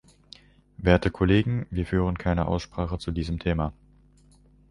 Werte Kollegen, wir führen keine Aussprache zu diesem Thema.